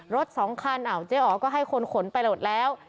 รถสองคันเจ๊อ๋อก็ให้คนขนไปหมดแล้ว